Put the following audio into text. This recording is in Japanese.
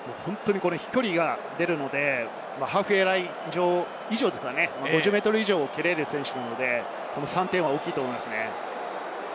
飛距離が出るのでハーフウェイライン上以上、５０ｍ以上蹴られる選手なので３点は大きいと思いますね。